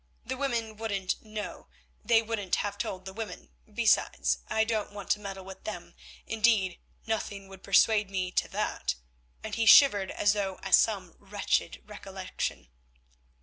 The women wouldn't know, they wouldn't have told the women, besides I don't want to meddle with them, indeed nothing would persuade me to that"—and he shivered as though at some wretched recollection.